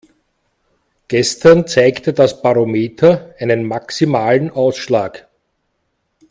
Gestern zeigte das Barometer einen maximalen Ausschlag.